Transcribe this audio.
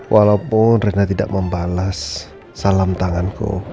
walaupun rena tidak membalas salam tanganku